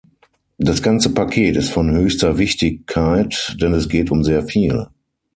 Das ganze Paket ist von höchster Wichtigkeit, denn es geht um sehr viel.